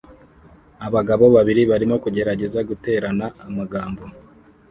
Abagabo babiri barimo kugerageza guterana amagambo